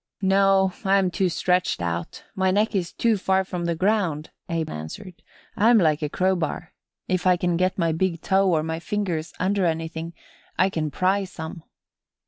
"No, I'm too stretched out my neck is too far from the ground," Abe answered. "I'm like a crowbar. If I can get my big toe or my fingers under anything I can pry some."